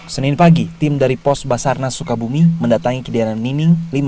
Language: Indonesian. senin pagi tim dari pos basarnas sukabumi mendatangi kediaman nining